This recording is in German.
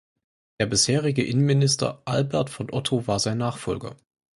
Der bisherige Innenminister Albert von Otto war sein Nachfolger.